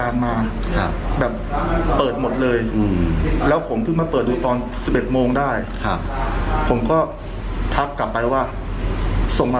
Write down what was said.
สักนิดนึงนะครับวันนี้